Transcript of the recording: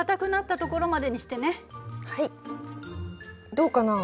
どうかな？